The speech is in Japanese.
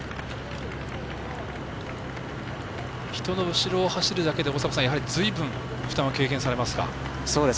人の後ろを走るだけでずいぶん負担は軽減されますか？